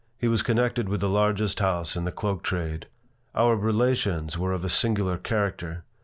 He was connected with the largest house in the cloak trade. Our relations were of a singular character.